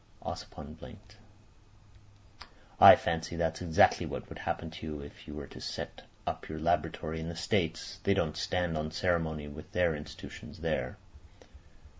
Ossipon blinked. "I fancy that's exactly what would happen to you if you were to set up your laboratory in the States. They don't stand on ceremony with their institutions there."